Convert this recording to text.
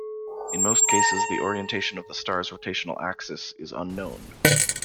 In most cases the orientation of the star's rotational axis is unknown.